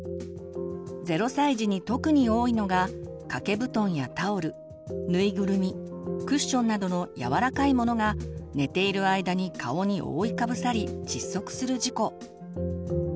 ０歳児に特に多いのが掛け布団やタオルぬいぐるみクッションなどのやわらかいものが寝ている間に顔に覆いかぶさり窒息する事故。